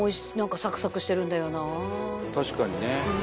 確かにね。